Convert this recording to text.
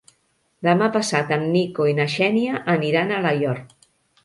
Demà passat en Nico i na Xènia aniran a Alaior.